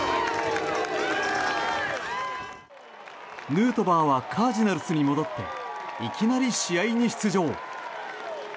ヌートバーはカージナルスに戻っていきなり試合に出場。